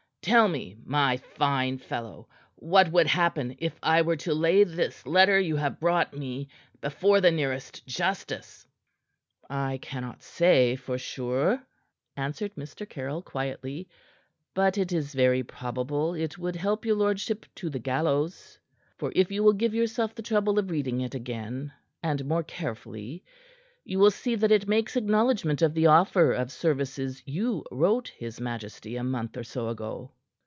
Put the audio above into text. "Tell me, my fine fellow, what would happen if I were to lay this letter you have brought me before the nearest justice?" "I cannot say for sure," answered Mr. Caryll quietly, "but it is very probable it would help your lordship to the gallows. For if you will give yourself the trouble of reading it again and more carefully you will see that it makes acknowledgment of the offer of services you wrote his majesty a month or so ago."